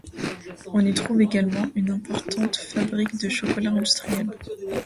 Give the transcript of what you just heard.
On y trouve également une importante fabrique de chocolats industriels.